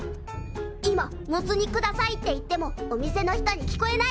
今「モツ煮下さい」って言ってもお店の人に聞こえないんだね。